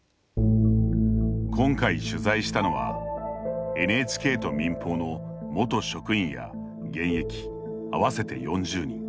今回取材したのはＮＨＫと民放の元職員や現役合わせて４０人。